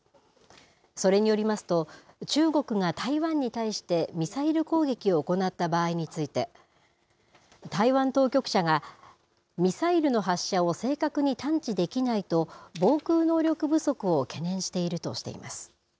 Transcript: それによりますと、中国が台湾に対してミサイル攻撃を行った場合について、台湾当局者が、ミサイルの発射を正確に探知できないと、防空能力不足を懸念しているとしています。